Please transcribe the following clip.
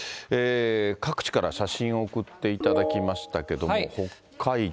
各地から写真を送っていただきましたけども、北海道。